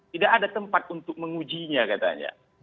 tidak ada tempat untuk mengujinya katanya